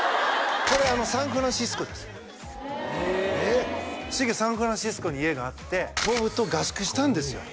これサンフランシスコですへえしげサンフランシスコに家があってボブと合宿したんですよ